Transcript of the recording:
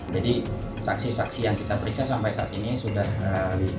jadi saksi saksi yang kita periksa sampai saat ini sudah